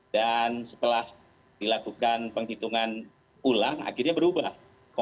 dan setelah dilakukan penghitungan ulang akhirnya berubah